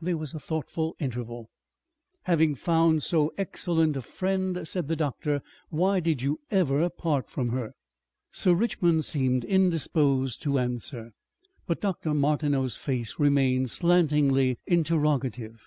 There was a thoughtful interval. "Having found so excellent a friend," said the doctor, "why did you ever part from her?" Sir Richmond seemed indisposed to answer, but Dr. Martineau's face remained slantingly interrogative.